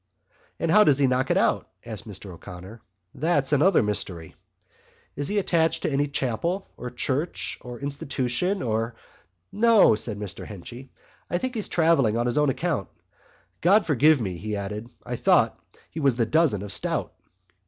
"And how does he knock it out?" asked Mr O'Connor. "That's another mystery." "Is he attached to any chapel or church or institution or——" "No," said Mr Henchy, "I think he's travelling on his own account.... God forgive me," he added, "I thought he was the dozen of stout."